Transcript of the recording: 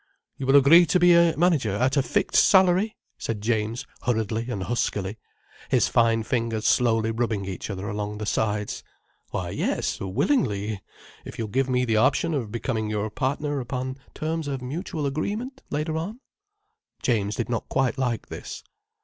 "You will agree to be manager, at a fixed salary?" said James hurriedly and huskily, his fine fingers slowly rubbing each other, along the sides. "Why yes, willingly, if you'll give me the option of becoming your partner upon terms of mutual agreement, later on." James did not quite like this.